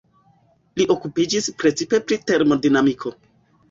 Li okupiĝis precipe pri termodinamiko.